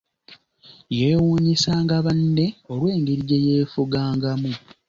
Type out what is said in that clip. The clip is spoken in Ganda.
Yeewuunyisanga banne olw'engeri gye yeefugangamu.